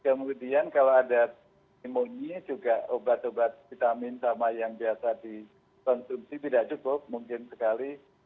kemudian kalau ada imunnya juga obat obat vitamin sama yang biasa dikonsumsi tidak cukup mungkin sekali